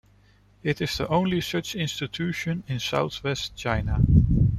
It is the only such institution in southwest China.